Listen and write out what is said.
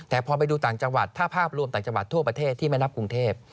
แต่พอไปดูต่างจังหวัดถ้าภาพรวมต่างจังหวัดทั่วประเทศที่ไม่นับกรุงเทพ